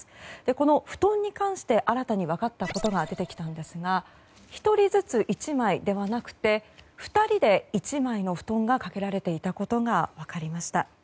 この布団に関して、新たに分かったことが出てきたんですが１人ずつ１枚ではなくて２人で１枚の布団がかけられていたことが分かりました。